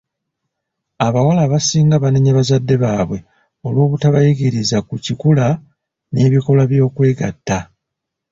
Abawala abasinga banenya bazadde baabwe olw'obutabayigiriza ku kikula n'ebikolwa by'okwegatta.